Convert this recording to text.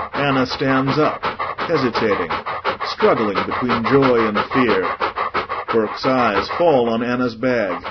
[ANNA stands up, hesitating, struggling between joy and fear. BURKE'S eyes fall on ANNA'S bag.